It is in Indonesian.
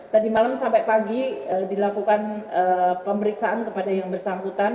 tadi malam sampai pagi dilakukan pemeriksaan kepada yang bersangkutan